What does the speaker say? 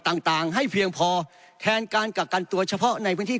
ต่างต่างให้เพียงพอแทนการกักกันตัวเฉพาะในพื้นที่